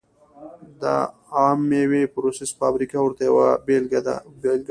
د عم مېوې پروسس فابریکه ورته یوه بېلګه وه.